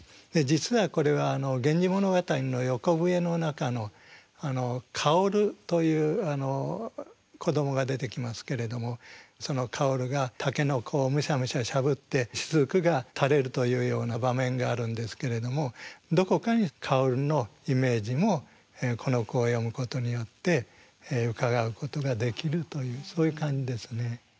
実はこれは「源氏物語」の「横笛」の中の薫という子どもが出てきますけれどもその薫が竹の子をむしゃむしゃしゃぶって滴がたれるというような場面があるんですけれどもどこかに薫のイメージもこの句を読むことによってうかがうことができるというそういう感じですね。